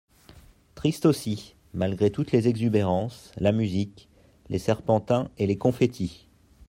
Triste aussi, malgré toutes les exubérances, la musique, les serpentins et les confetti.